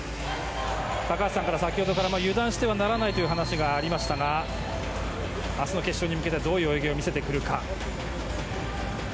高橋さんから先ほど油断してはならないという話がありましたが明日の決勝に向けてどういう泳ぎを見せてくるか。